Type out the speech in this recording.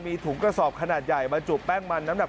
มีถุงกระสอบขนาดใหญ่มาจุบแป้งมันน้ำหนัก